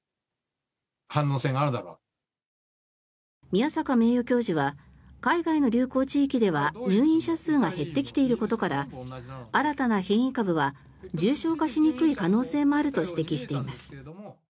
宮坂名誉教授は海外の流行地域では入院者数が減ってきていることから新たな変異株は重症化しにくい可能性もあると指摘しています。